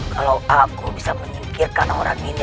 kalau aku bisa menyingkirkan orang ini